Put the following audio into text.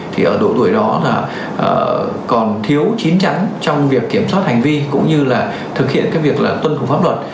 thì ở độ tuổi đó còn thiếu chín chắn trong việc kiểm soát hành vi cũng như là thực hiện việc tuân thủ pháp luật